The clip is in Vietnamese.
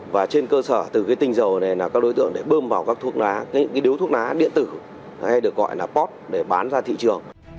và trên cơ sở từ cái tinh dầu này là các đối tượng để bơm vào các thuốc lá những điếu thuốc lá điện tử hay được gọi là pot để bán ra thị trường